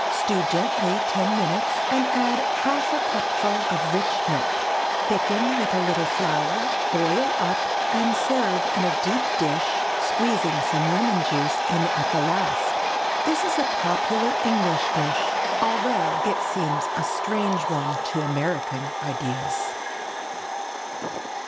Stew gently ten minutes, and add half a cupful of rich milk; thicken with a little flour, boil up, and serve in a deep dish, squeezing some lemon juice in at the last. This is a popular English dish, although it seems a strange one to American ideas.